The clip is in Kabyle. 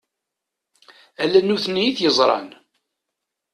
Ala nutni i t-yeẓran.